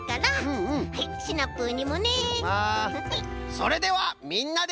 それではみんなで。